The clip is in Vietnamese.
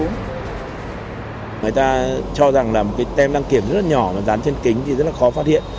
người ta cho rằng là một cái tem đăng kiểm rất là nhỏ và dán trên kính thì rất là khó phát hiện